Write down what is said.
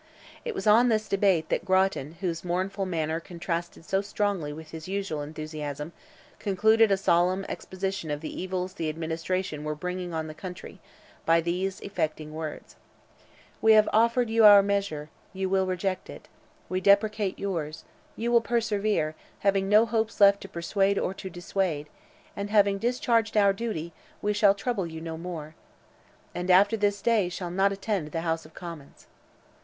It was on this debate, that Grattan, whose mournful manner contrasted so strongly with his usual enthusiasm, concluded a solemn exposition of the evils the administration were bringing on the country, by these affecting words:—"We have offered you our measure—you will reject it; we deprecate yours—you will persevere; having no hopes left to persuade or to dissuade, and having discharged our duty, we shall trouble you no more, and after this day shall not attend the House of Commons."